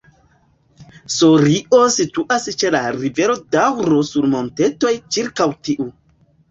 Sorio situas ĉe la rivero Doŭro sur montetoj ĉirkaŭ tiu.